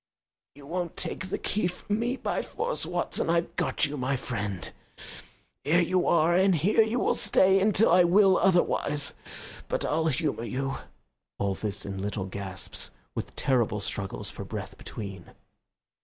"You won't take the key from me by force, Watson, I've got you, my friend. Here you are, and here you will stay until I will otherwise. But I'll humour you." (All this in little gasps, with terrible struggles for breath between.)